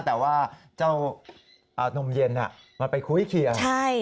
แต่ว่าเจ้านมเย็นนี่มันไปคุ้ยเขียน